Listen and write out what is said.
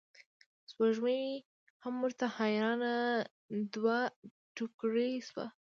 سپوږمۍ هم ورته حیرانه دوه توکړې شوه.